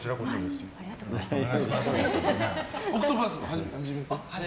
ありがとうございます。